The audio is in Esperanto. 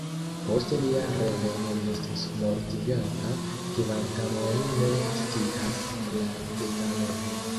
Post lia reveno li estis mortigata, kvankam oni ne scias la detalojn.